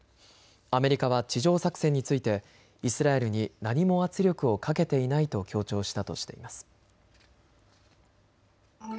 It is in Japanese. アメリカは地上作戦についてイスラエルに何も圧力をかけていないと強調したとしています。